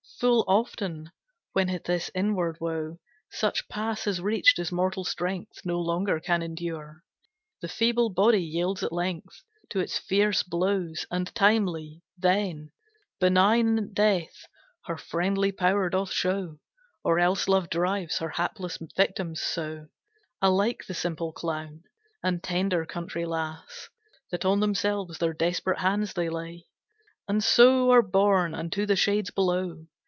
Full often when this inward woe Such pass has reached as mortal strength No longer can endure, The feeble body yields at length, To its fierce blows, and timely, then, Benignant Death her friendly power doth show: Or else Love drives her hapless victims so, Alike the simple clown, And tender country lass, That on themselves their desperate hands they lay, And so are borne unto the shades below.